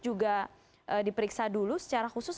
juga diperiksa dulu secara khusus